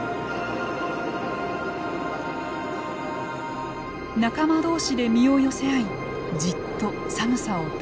仲間同士で身を寄せ合いじっと寒さを耐え忍びます。